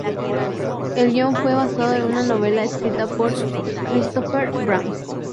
El guion fue basado en una novela escrita por Christopher Bram.